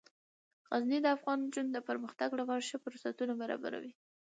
غزني د افغان نجونو د پرمختګ لپاره ښه فرصتونه برابروي.